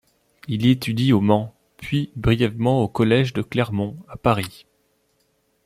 Il étudie au Mans, puis brièvement au collège de Clermont à Paris.